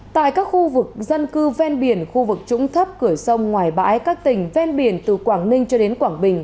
tại các khu vực dân cư ven biển khu vực trũng thấp cửa sông ngoài bãi các tỉnh ven biển từ quảng ninh cho đến quảng bình